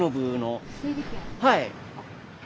はい。